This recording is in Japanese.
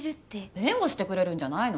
弁護してくれるんじゃないの？